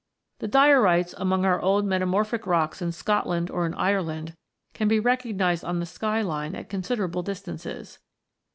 The diorites among our old metamorphic rocks in Scotland or in Ireland can be recognised on the skyline at considerable distances.